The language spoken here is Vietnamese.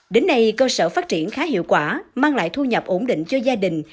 đến nay cơ sở phát triển khá hiệu quả mang lại thu nhập ổn định cho gia đình